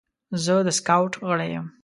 زه د سکاوټ غړی یم.